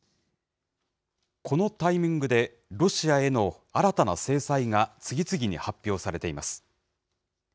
このタイミングで、ロシアへの新たな制裁が次々に発表されています。